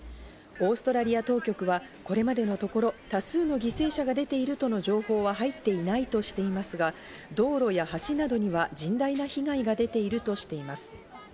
オーストラリア当局はこれまでのところ、多数の犠牲者が出ているとの情報は入っていないとしていますが、道路や橋などには甚大な被害が出ているとしています。